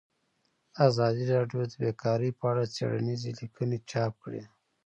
ازادي راډیو د بیکاري په اړه څېړنیزې لیکنې چاپ کړي.